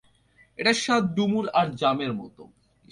এটার স্বাদ ডুমুর আর জামের মতো।